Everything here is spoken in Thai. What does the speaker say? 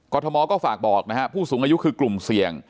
ทมก็ฝากบอกนะฮะผู้สูงอายุคือกลุ่มเสี่ยง